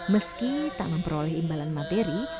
meski tak memperoleh imbalan materi